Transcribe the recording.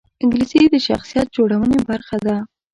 انګلیسي د شخصیت جوړونې برخه ده